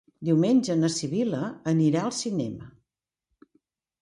Diumenge na Sibil·la irà al cinema.